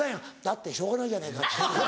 「だってしょうがないじゃないか」。